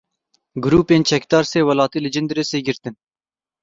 Grûpên çekdar sê welatî li Cindirêsê girtin.